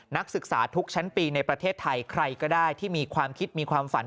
นักศึกษาทุกชั้นปีในประเทศไทยใครก็ได้ที่มีความคิดมีความฝัน